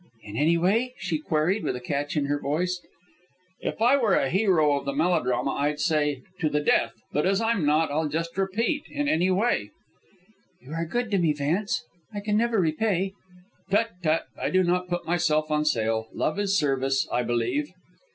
"In any way?" she queried, with a catch in her voice. "If I were a hero of the melodrama I'd say; 'To the death!' but as I'm not; I'll just repeat, in any way." "You are good to me, Vance. I can never repay " "Tut! tut! I do not put myself on sale. Love is service, I believe."